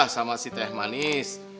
sama si teh manis